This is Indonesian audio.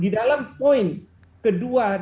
di dalam poin kedua dan ketiga ya kan